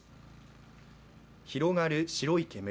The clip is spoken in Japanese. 広がる白い煙。